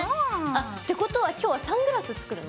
あってことは今日はサングラス作るの？